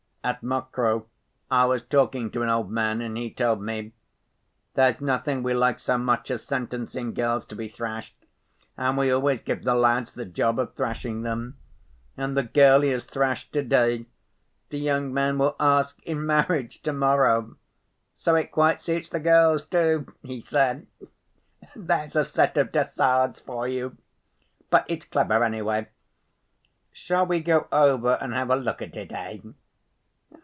At Mokroe I was talking to an old man, and he told me: 'There's nothing we like so much as sentencing girls to be thrashed, and we always give the lads the job of thrashing them. And the girl he has thrashed to‐day, the young man will ask in marriage to‐morrow. So it quite suits the girls, too,' he said. There's a set of de Sades for you! But it's clever, anyway. Shall we go over and have a look at it, eh?